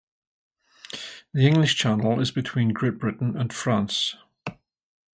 The English Channel is between Great Britain and France.